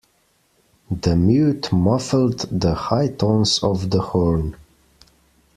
The mute muffled the high tones of the horn.